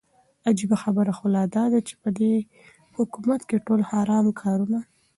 عجيبه خبره خو لا داده چې په دې حكومت كې ټول حرام كارونه